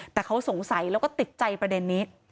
แต่เขาสงสัยแล้วก็ติดใจประเด็นนี้